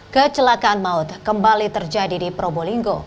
kecelakaan maut kembali terjadi di probolinggo